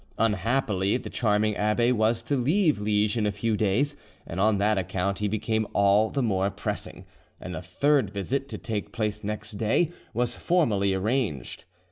Unhappily the charming abbe was to leave Liege in a few days; and on that account he became all the more pressing, and a third visit, to take place next day, was formally arranged.